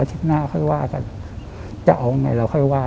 ผมบอกว่าไว้ยังไงว่าว่า